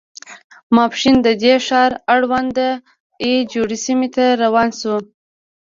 ماسپښین د دې ښار اړوند د اي جو سیمې ته روان شوو.